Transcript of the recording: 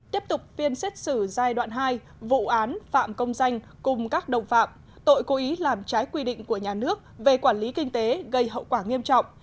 tiếp tục phiên xét xử giai đoạn hai vụ án phạm công danh cùng các đồng phạm tội cố ý làm trái quy định của nhà nước về quản lý kinh tế gây hậu quả nghiêm trọng